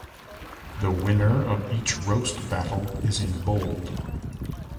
The winner of each roast battle is in bold.